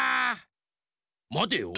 まてよ。